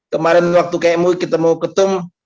kemarin waktu kmu kita mau ketum